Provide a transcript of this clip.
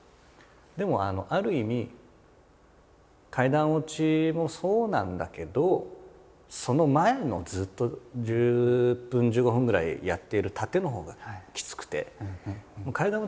でもある意味階段落ちもそうなんだけどその前のずっと１０分１５分ぐらいやっている疲れた。